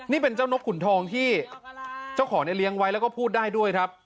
นี่เป็นเจ้านกขุนทองที่เจ้าของเนี่ยเลี้ยงไว้แล้วก็พูดได้ด้วยครับ